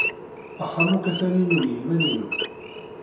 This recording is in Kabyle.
Axxam akk atan inu i yiman-inu.